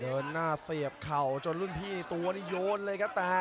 เดินหน้าเสียบเข่าจนรุ่นพี่ตัวนี้โยนเลยครับแต่